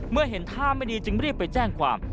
เมื่อเห็นท่าไม่ดีจึงรีบไปแจ้งความ